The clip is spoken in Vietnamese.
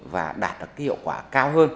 và đạt được hiệu quả cao hơn